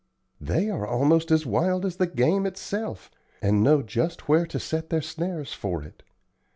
They are almost as wild as the game itself, and know just where to set their snares for it.